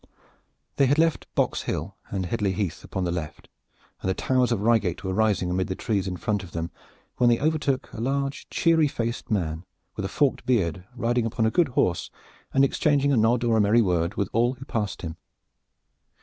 They had left Boxhill and Headley Heath upon the left, and the towers of Reigate were rising amid the trees in front of them, when they overtook a large, cheery, red faced man, with a forked beard, riding upon a good horse and exchanging a nod or a merry word with all who passed him.